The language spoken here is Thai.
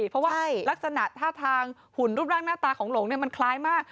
เพราะว่าลักษณะท่าทางหุ่นรูปร่างหน้าตาของหลงมันคล้ายมาก